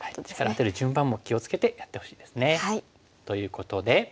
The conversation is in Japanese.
アテる順番も気を付けてやってほしいですね。ということで。